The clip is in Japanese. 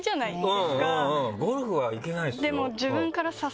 ゴルフは行けないですよ。